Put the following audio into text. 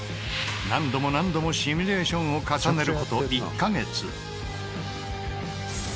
何度も何度もシミュレーションを重ねる事１カ月。